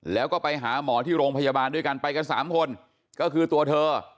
แล้วก็ไปหาหมอที่โรงพยาบาลด้วยกันไปกัน๓คนก็คือตัวเธอ